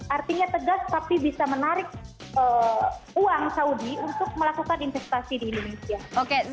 artinya tegas tapi bisa menarik uang saudi untuk melakukan investasi di indonesia